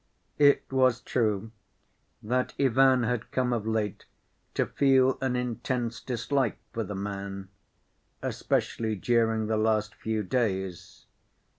It was true that Ivan had come of late to feel an intense dislike for the man, especially during the last few days.